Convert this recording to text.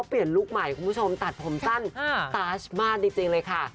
พอเปลี่ยนลูกใหม่คุณผู้ชมตัดผมสั้นตาชมากดีจริงเลยค่ะ